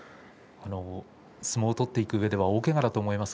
相撲を取っていくうえでは大けがだったと思います。